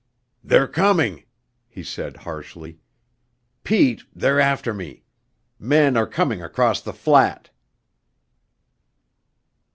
"They're coming," he said harshly. "Pete, they're after me. Men are coming across the flat."